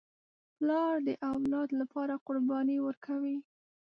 پلار د اولاد لپاره قرباني ورکوي.